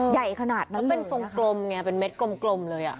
ใหญ่ขนาดนั้นเลยนะคะเป็นเม็ดกลมเลย